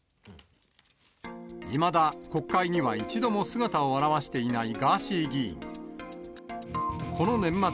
いまだ国会には一度も姿を現していないガーシー議員。